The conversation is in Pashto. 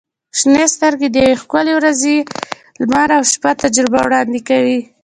• شنې سترګې د یوې ښکلي ورځنۍ لمر او شپه تجربه وړاندې کوي.